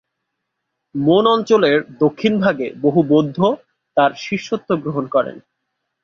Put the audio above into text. মোন অঞ্চলের দক্ষিণ ভাগে বহু বৌদ্ধ তার শিষ্যত্ব গ্রহণ করেন।